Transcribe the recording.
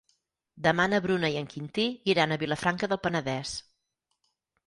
Demà na Bruna i en Quintí iran a Vilafranca del Penedès.